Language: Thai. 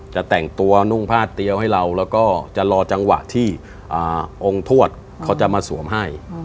จะแต่งตัวนุ่งพาดเตียวให้เราแล้วก็จะรอจังหวะที่องค์ทวดเขาจะมาสวมให้